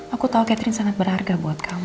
aku tahu catering sangat berharga buat kamu